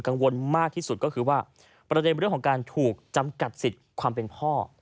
กังวลมากที่สุดก็คือว่าประเด็นเรื่องของการถูกจำกัดสิทธิ์ความเป็นพ่อ